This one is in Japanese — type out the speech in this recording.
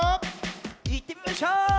いってみましょ！